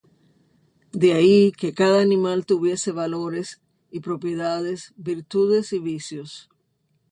De ahí que cada animal tuviese valores y propiedades, virtudes y vicios.